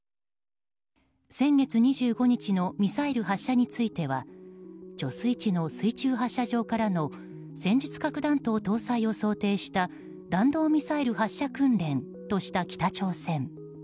先月２５日のミサイル発射については貯水池の水中発射場からの戦術核弾頭搭載を想定した弾道ミサイル発射訓練とした北朝鮮。